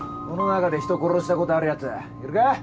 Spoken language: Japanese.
この中で人殺したことあるやついるか？